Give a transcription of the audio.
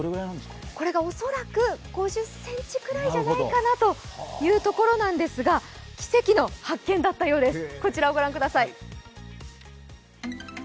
これが恐らく５０ｃｍぐらいじゃないかなというところなんですが、奇跡の発見だったようです。